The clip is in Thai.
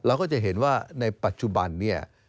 เราก็จะเห็นว่าในปัจจุบันเนี่ย